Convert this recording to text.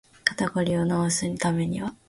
肩こりを治すためには